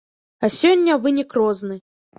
А сёння вынік розны.